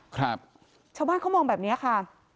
ครับชาวบ้านเขามองแบบเนี้ยค่ะ